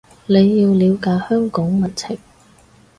你要了解香港民情